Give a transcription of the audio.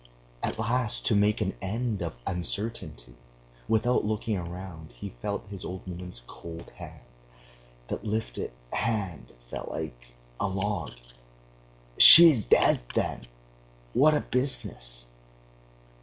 At last, to make an end of uncertainty, without looking round he felt his old woman's cold hand. The lifted hand fell like a log. "She is dead, then! What a business!"